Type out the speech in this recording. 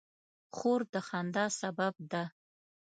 خور د خندا سبب ده.